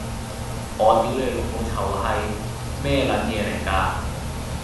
我屌你老母臭閪，咩撚嘢嚟㗎？